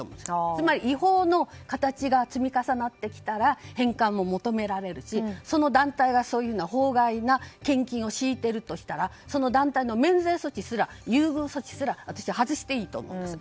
つまり、違法の形が積み重なってきたら返還も求められるしその団体がそういう法外な献金を強いているとすればその団体の免税措置、優遇措置すら私は外していいと思うんです。